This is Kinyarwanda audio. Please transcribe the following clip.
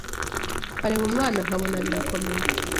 nkareba umwana nkabona birakomeye